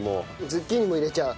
ズッキーニも入れちゃう？